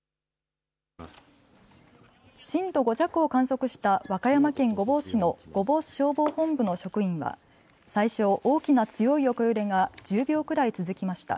震度５弱を観測した和歌山県御坊市の御坊消防本部の職員は、最初、大きな強い横揺れが１０秒くらい続きました。